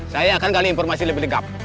saya akan gali informasi lebih lengkap